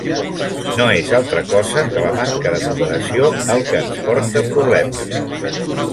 No és altra cosa que la manca de moderació el que ens porta problemes.